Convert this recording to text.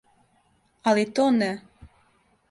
Али то не.